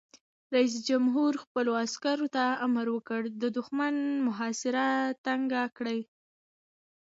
رئیس جمهور خپلو عسکرو ته امر وکړ؛ د دښمن محاصره تنګه کړئ!